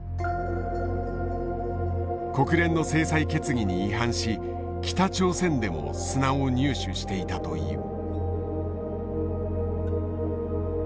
国連の制裁決議に違反し北朝鮮でも砂を入手していたという。